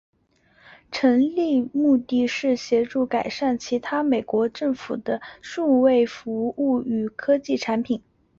成立目的是协助改善其他美国政府的数位服务与科技产品。